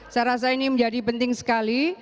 saya rasa ini menjadi penting sekali